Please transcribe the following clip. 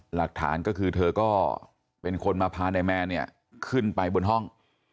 หลักฐานก็คือเธอก็เป็นคนเพิ่มพาไหนมาเดินขึ้นบนห้อง